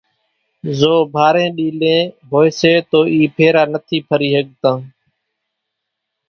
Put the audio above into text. زو ڀارين ڏيلين ھوئي سي تو اِي ڦيرا نٿي ڦري ۿڳتان،